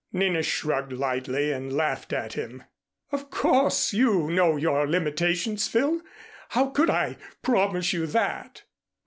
Nina shrugged lightly and laughed at him. "Of course you know your limitations, Phil. How could I promise you that?"